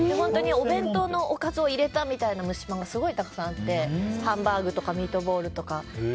お弁当のおかずを入れたみたいな蒸しパンがたくさんあってハンバーグとかミートボールとか。